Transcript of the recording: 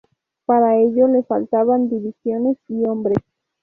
Para ello le faltaban divisiones y hombres.